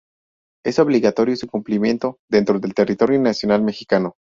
Es obligatorio su cumplimiento dentro del territorio nacional mexicano.